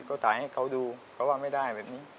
ก็ถ่ายให้เขาดูเขาว่าไม่ได้แบบนี้